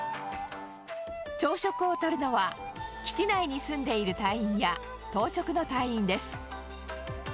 朝食をとるのは、基地内に住んでいる隊員や当直の隊員です。